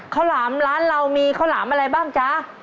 หลามร้านเรามีข้าวหลามอะไรบ้างจ๊ะ